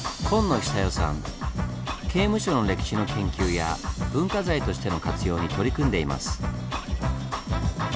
刑務所の歴史の研究や文化財としての活用に取り組んでいます。